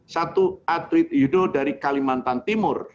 satu atlet yudho dari kalimantan timur